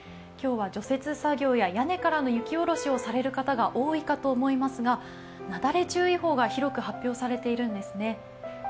今日は除雪作業や屋根からの雪下ろしをされる方が多いかと思いますがなだれ注意報が広く発表されているんですね。